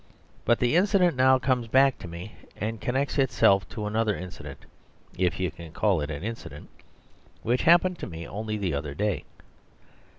But the incident now comes back to me, and connects itself with another incident if you can call it an incident which happened to me only the other day.